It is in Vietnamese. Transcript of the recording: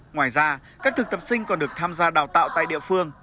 ngoài ra các thực tập sinh còn được tham gia đào tạo tại địa phương